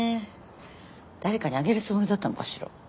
誰かにあげるつもりだったのかしら？